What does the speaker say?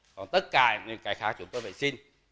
còn tất cả những cái khác chúng tôi phải xin